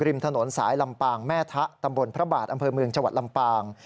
ริมถนนสายลำปางแม่ทะตำบลพระบาทอำเภอเมืองจังหวัดลำปาง